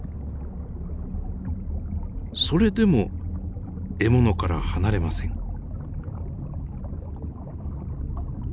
それでも獲物から離れません。